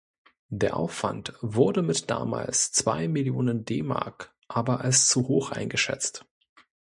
Der Aufwand wurde mit damals zwei Millionen D-Mark aber als zu hoch eingeschätzt.